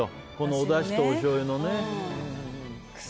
おだしと、おしょうゆのね。